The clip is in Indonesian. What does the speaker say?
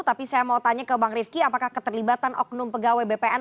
tapi saya mau tanya ke bang rifki apakah keterlibatan oknum pegawai bpn